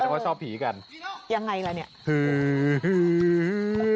แต่ว่าชอบผีกันยังไงล่ะเนี่ย